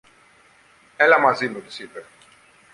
Έλα μαζί μου, της είπε.